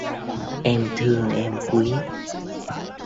Em thương em quý